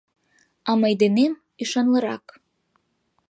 А мый денем ӱшанлырак.